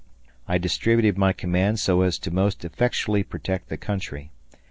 I distributed my command so as to most effectually protect the country.